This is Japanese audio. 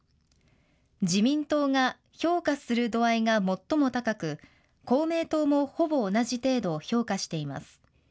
自民党が評価する度合いが最も高く、公明党もほぼ同じ程度評価しています。